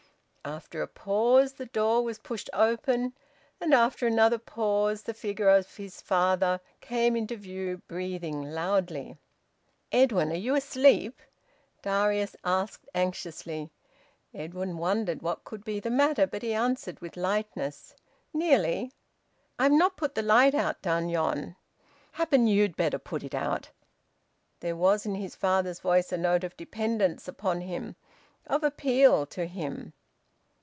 After a pause the door was pushed open; and after another pause the figure of his father came into view, breathing loudly. "Edwin, are you asleep?" Darius asked anxiously. Edwin wondered what could be the matter, but he answered with lightness, "Nearly." "I've not put th' light out down yon! Happen you'd better put it out." There was in his father's voice a note of dependence upon him, of appeal to him.